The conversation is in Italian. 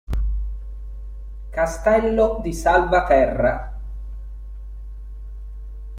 Castello di Salvaterra